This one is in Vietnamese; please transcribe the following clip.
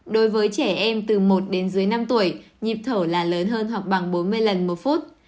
đối với trẻ em từ một đến dưới năm tuổi nhịp thở là lớn hơn học bằng bốn mươi lần một phút